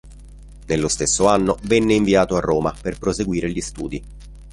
Nello stesso anno venne inviato a Roma per proseguire gli studi.